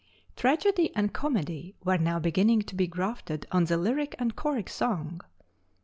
Tragedy and comedy were now beginning to be grafted on the lyric and choric song.